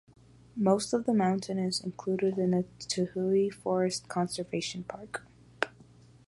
Most of the mountain is included in the Toohey Forest Conservation Park.